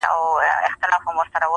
چي شلومبې دي خوښي دي، ځان ته غوا واخله.